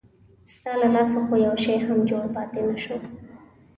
ستا له لاسه خو یو شی هم جوړ پاتې نه شو.